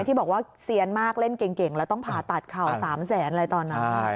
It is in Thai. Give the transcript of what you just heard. ที่บอกว่าเซียนมากเล่นเก่งแล้วต้องผ่าตัดเข่า๓แสนอะไรตอนนั้น